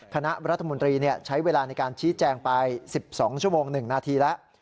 คณะรัฐมนตรีใช้เวลาในการชี้แจงไป๑๒ชั่วโมง๑นาทีแล้ว